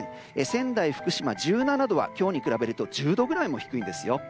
仙台、福島１７度は今日に比べると１０度ぐらい低いんですよ。